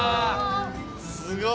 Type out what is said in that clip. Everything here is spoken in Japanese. すごい。